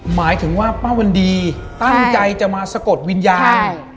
หมายถึงว่าป้าวันดีตั้งใจจะมาสะกดวิญญาณ